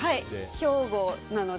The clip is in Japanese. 兵庫なので。